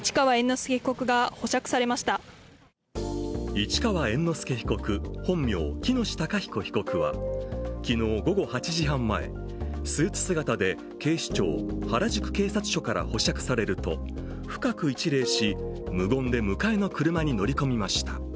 市川猿之助被告、本名・喜熨斗孝彦被告は昨日午後８時半前、スーツ姿で警視庁原宿警察署から保釈されると深く一礼し、無言で迎えの車に乗り込みました。